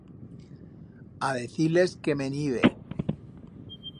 A decir-les que me'n ibe.